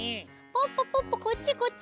ポッポポッポこっちこっち。